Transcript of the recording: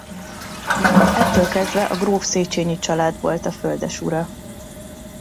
Ettől kezdve a gróf Széchényi család volt a földesura.